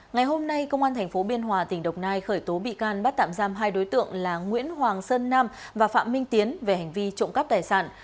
ngày hôm nay công an tp biên hòa tỉnh đồng nai khởi tố bị can bắt tạm giam hai đối tượng là nguyễn hoàng sơn nam và phạm minh tiến về hành vi trộm cắp tài sản